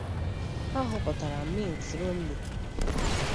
ha họpụtara Mitt Romney